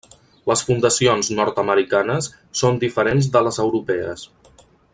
Les fundacions nord-americanes són diferents de les europees.